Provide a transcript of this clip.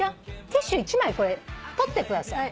ティッシュ１枚取ってください。